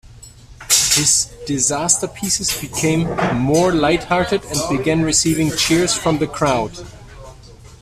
His "disasterpieces" became more light-hearted and began receiving cheers from the crowd.